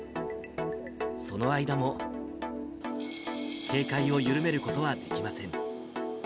その間も、警戒を緩めることはできません。